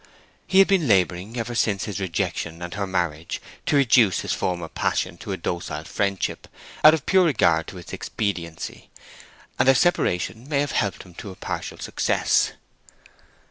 He had been laboring ever since his rejection and her marriage to reduce his former passion to a docile friendship, out of pure regard to its expediency; and their separation may have helped him to a partial success.